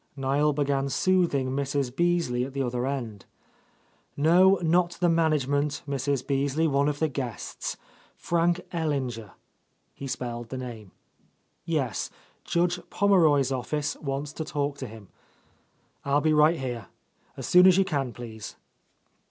Niel began soothing Mrs. Beasley at the other end. "No, not the management, Mrs. Beasley, one of the guests. Frank Ellinger," he spelled the name. "Yes. Judge Pommeroy's office wants to talk to him. I'll be right here. As soon as you can, please."